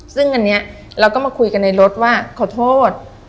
ซึ่งอันนี้เราก็มาคุยกันในรถว่าขอโทษ